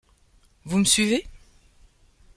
Vous me suivez ?